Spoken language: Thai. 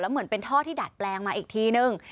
เหมือนเป็นท่อที่ดัดแปลงมาอีกทีนึง